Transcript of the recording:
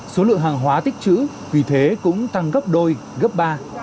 số lượng hàng hóa tích chữ vì thế cũng tăng gấp đôi gấp ba